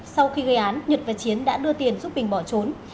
sau khi gây án nhật và chiến đã đưa tiền giúp bình bỏ trốn